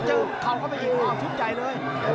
เจอเข้าเข้าไปอีกความชุดใหญ่เลย